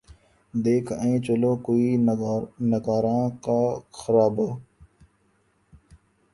دیکھ آئیں چلو کوئے نگاراں کا خرابہ